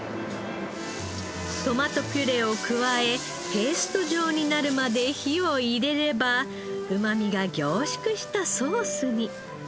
トマトピュレを加えペースト状になるまで火を入れればうまみが凝縮したソースに。